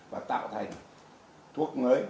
và tạo thành thuốc mới